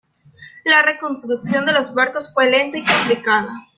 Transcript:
La reconstrucción de los barcos fue lenta y complicada.